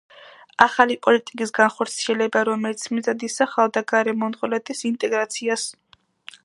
ახალი პოლიტიკის განხორციელება, რომელიც მიზნად ისახავდა გარე მონღოლეთის ინტეგრაციას.